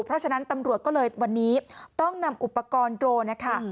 เพราะฉะนั้นตำรวจก็เลยวันนี้ต้องนำอุปกรณ์โดรนนะคะ